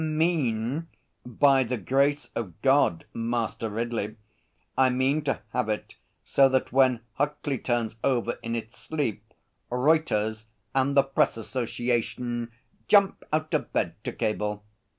'Mean? By the grace of God, Master Ridley, I mean to have it so that when Huckley turns over in its sleep, Reuters and the Press Association jump out of bed to cable.'